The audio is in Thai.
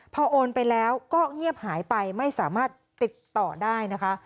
พอโอนไปแล้วก็เงียบหายไปไม่สามารถติดต่อได้นะคะ